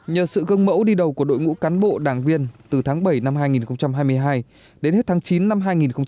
nhờ sự gương mẫu đi đầu của đội ngũ cán bộ đảng viên từ tháng bảy năm hai nghìn hai mươi hai đến hết tháng chín năm hai nghìn hai mươi ba